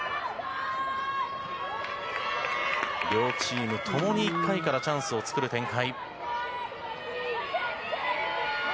両チームともに１回からチャンスを作る展開。